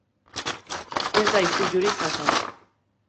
Ez da istilurik jazo.